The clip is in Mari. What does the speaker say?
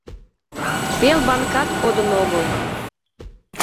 — Пел банкат кодын огыл!